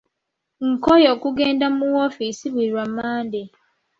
Nkooye okugenda mu woofiisi buli lwa Mande.